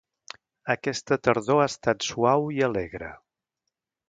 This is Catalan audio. Aquesta tardor ha estat suau i alegre.